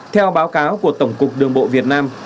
theo báo cáo của tổng cục đường bộ việt nam